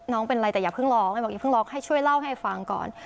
ไม่เป็นไรแต่อย่าเพิ่งร้องไอบอกอยเพิ่งร้องให้ช่วยเล่าให้ไอฟังก่อน